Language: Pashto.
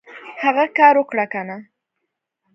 هغه کار اوکړه کنه !